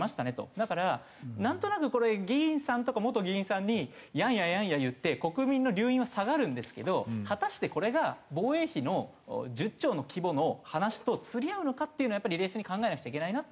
だからなんとなくこれ議員さんとか元議員さんにやんややんや言って国民の留飲は下がるんですけど果たしてこれが防衛費の１０兆の規模の話と釣り合うのかっていうのはやっぱり冷静に考えなくちゃいけないなというのは思います。